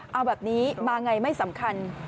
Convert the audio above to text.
เอาแบบนี้มาอย่างไรไม่สำคัญ